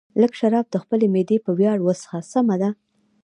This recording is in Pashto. لږ شراب د خپلې معدې په ویاړ وڅښه، سمه ده.